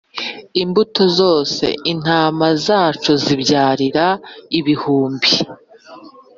imbuto zose Intama zacu zibyarire ibihumbi